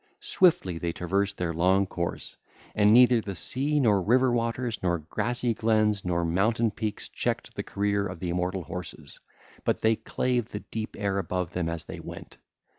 Swiftly they traversed their long course, and neither the sea nor river waters nor grassy glens nor mountain peaks checked the career of the immortal horses, but they clave the deep air above them as they went.